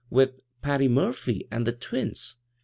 " With Patty Murphy an' the twins.